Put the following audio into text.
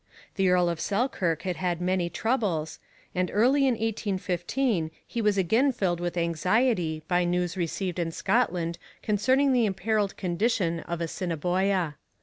The Earl of Selkirk had had many troubles, and early in 1815 he was again filled with anxiety by news received in Scotland concerning the imperilled condition of Assiniboia.